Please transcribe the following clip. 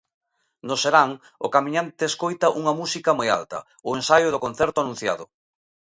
No serán, o camiñante escoita unha música moi alta: o ensaio do concerto anunciado.